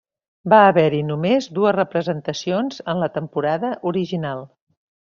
Va haver-hi només dues representacions en la temporada original.